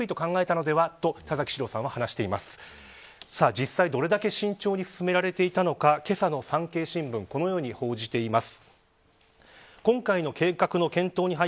実際、どれだけ慎重に進められていたのかけさの産経新聞はこのように報じています。